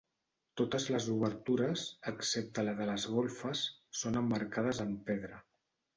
Totes les obertures, excepte la de les golfes, són emmarcades amb pedra.